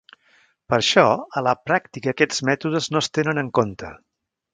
Per això, a la pràctica aquests mètodes no es tenen en compte.